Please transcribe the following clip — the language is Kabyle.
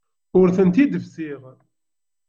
Ur tent-id-fessiɣ.